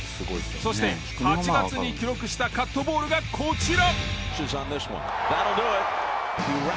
そして８月に記録したカットボールがこちら。